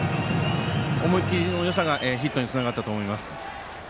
思い切りのよさがヒットにつながったと思います。